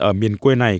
ở miền quê này